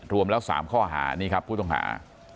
รวมแล้ว๓ข้อหานี่ครับผู้ต้องหา